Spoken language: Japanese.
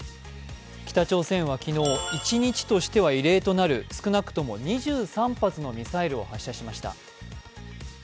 北朝鮮は昨日、一日としては異例となる少なくとも２３発のミサイルを発射しました。